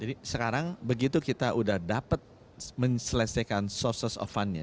jadi sekarang begitu kita udah dapat menyesuaikan sources of fund nya